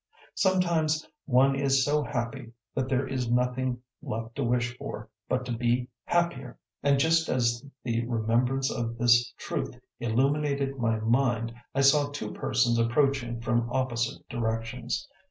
Sometimes one is so happy that there is nothing left to wish for but to be happier, and just as the remembrance of this truth illuminated my mind, I saw two persons approaching from opposite directions.